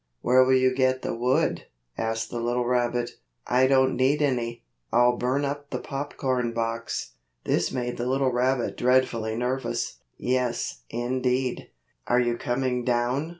"Where will you get the wood?" asked the little rabbit. "I don't need any. I'll burn up the popcorn box." This made the little rabbit dreadfully nervous. Yes, indeed. "Are you coming down?"